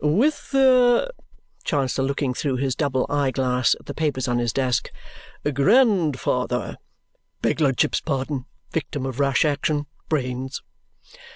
"With their" Chancellor looking through his double eye glass at the papers on his desk "grandfather." "Begludship's pardon victim of rash action brains."